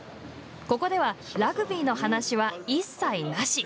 ここではラグビーの話は一切なし。